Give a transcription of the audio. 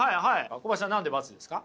小林さん何で×ですか？